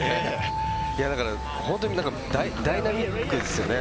本当にダイナミックですよね。